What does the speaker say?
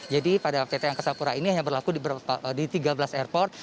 jadi pada pt angkasa pura ini hanya berlaku di tiga belas airport